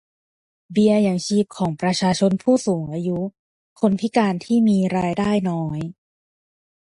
เบี้ยยังชีพของประชาชนผู้สูงอายุ คนพิการที่มีรายได้น้อย